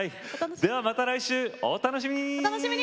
ではまた来週お楽しみに！